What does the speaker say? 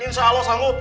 insya allah sanggup